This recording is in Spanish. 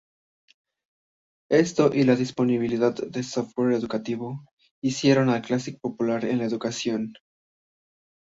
Esto y la disponibilidad de software educativo hicieron al Classic popular en la educación.